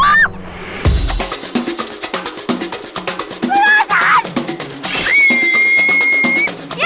จะรีบไปไหนเนี่ย